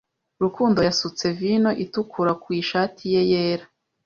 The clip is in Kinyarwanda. Rukundo yasutse vino itukura ku ishati ye yera.